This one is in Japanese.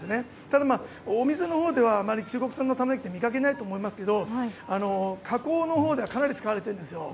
ただ、お店のほうではあまり中国産のタマネギは見かけないと思いますが加工のほうではかなり使われているんですよ。